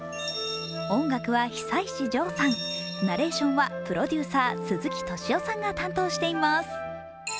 音楽は久石譲さん、ナレーションはプロデューサー、鈴木敏夫さんが担当しています。